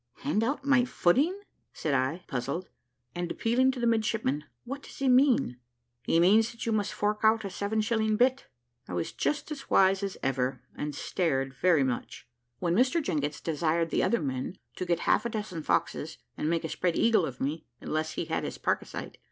"Hand out my footing!" said I, puzzled, and appealing to the midshipman; "what does he mean?" "He means that you must fork out a seven shilling bit." I was just as wise as ever, and stared very much; when Mr Jenkins desired the other men to get half a dozen foxes and make a spread eagle of me, unless he had his parkisite.